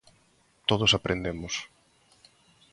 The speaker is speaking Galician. Todos aprendemos.